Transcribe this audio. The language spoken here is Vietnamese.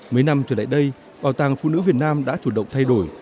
mấy năm trở lại đây bảo tàng phụ nữ việt nam đã chủ động thay đổi